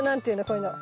こういうの。